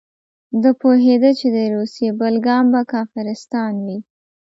ده پوهېده چې د روسیې بل ګام به کافرستان وي.